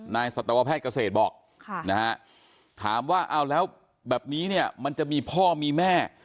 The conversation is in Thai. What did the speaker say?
สัตวแพทย์เกษตรบอกนะฮะถามว่าเอาแล้วแบบนี้เนี่ยมันจะมีพ่อมีแม่